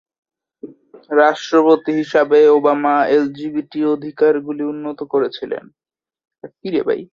রাষ্ট্রপতি হিসাবে Obama LGBT অধিকারগুলি উন্নত করেছিলেন।